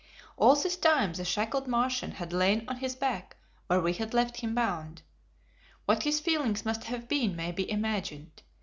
All this time the shackled Martian had lain on his back where we had left him bound. What his feeling must have been may be imagined.